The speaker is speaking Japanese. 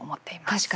確かに。